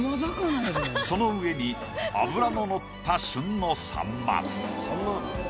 その上に脂ののった旬のサンマ。